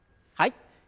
はい。